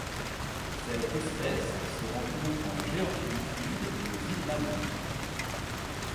Cette espèce se rencontre en Géorgie du Sud et aux îles Malouines.